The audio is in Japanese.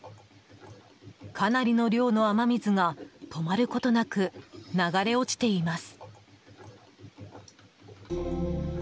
かなりの量の雨水が止まることなく流れ落ちています。